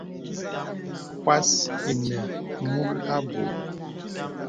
Pwas inə nə̀ mūl abù.